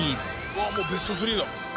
うわっもうベスト３だ。